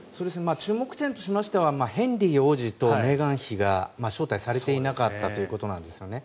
注目点としてはヘンリー王子とメーガン妃が招待されていなかったということなんですね。